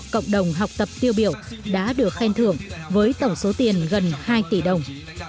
cộng đồng học tập tiêu biểu đã được khen thưởng với tổng số tiền gần hai tỷ đồng